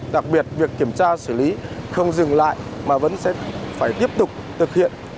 đặc biệt việc kiểm tra xử lý không dừng lại mà vẫn sẽ phải tiếp tục thực hiện